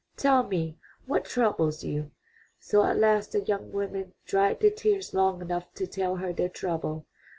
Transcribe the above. Tell me what troubles you." So at last the young women dried their tears long enough to tell her their trouble.